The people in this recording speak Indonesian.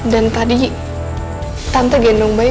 dan tadi tante gendong bayi